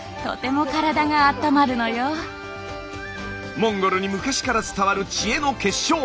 モンゴルに昔から伝わる知恵の結晶。